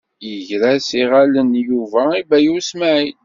Yegra-s iɣallen Yuba i Baya U Smaɛil.